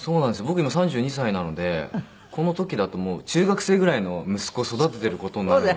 僕今３２歳なのでこの時だともう中学生ぐらいの息子を育ててる事になるので。